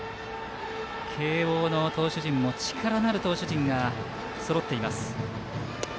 慶応の投手陣も力のある投手陣がそろっています。